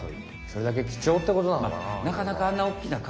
それだけきちょうってことなのかな。